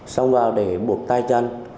xong vào để buộc tay chân